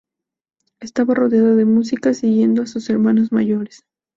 Estaba rodeada de música, siguiendo a sus hermanos mayores.